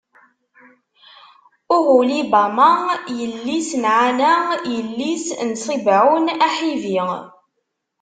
Uhulibama, yelli-s n Ɛana, yelli-s n Ṣibɛun Aḥibi.